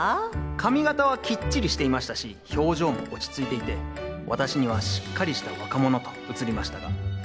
髪形はきっちりしていましたし表情も落ち着いていて私にはしっかりした若者と映りましたが。